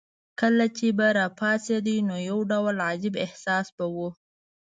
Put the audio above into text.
کله چې به راپاڅېدې نو یو ډول عجیب احساس به وو.